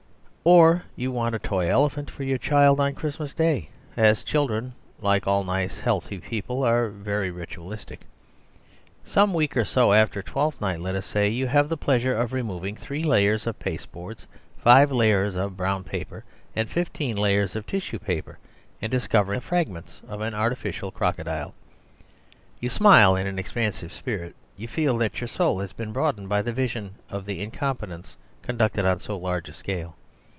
Or you want a toy elephant for your child on Christmas Day; as children, like all nice and healthy people, are very ritualistic. Some week or so after Twelfth Night, let us say, you have the pleasure of removing three layers of pasteboards, five layers of brown paper, and fifteen layers of tissue paper and discovering the fragments of an artificial crocodile. You smile in an expansive spirit. You feel that your soul has been broadened by the vision of incompetence conducted on so large a scale.